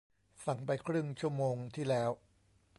สั่งไปครึ่งชั่วโมงที่แล้ว